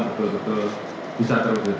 betul betul bisa terujud